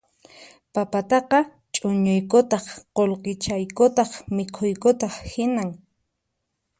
Papataqa chuñuykutaq qullqichaykutaq mikhuykutaq hinan